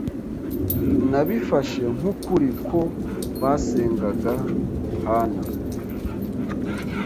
Nabifashe nk'ukuri ko basengaga Hana.